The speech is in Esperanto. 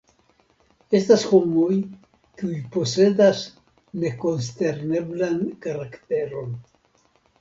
Estas homoj, kiuj posedas nekonsterneblan karakteron.